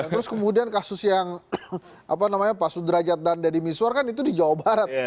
terus kemudian kasus yang apa namanya pak sudrajat dan deddy miswar kan itu di jawa barat